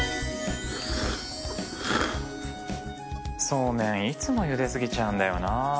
そうめんいつもゆで過ぎちゃうんだよな